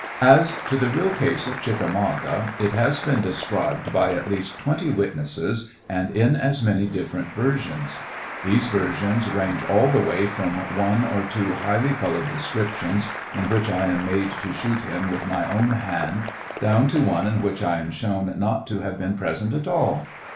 As to the real case of •' Chickamauga," it has been described by at least twenty witnesses, and in as many diffwent versions., These versions range all the way from one or two highly colored descriptions, in which I am made to shoot him with my own hand, down to one in which I am shown not to have been present at all.